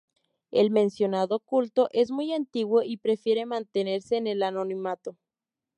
El mencionado culto es muy antiguo y prefiere mantenerse en el anonimato.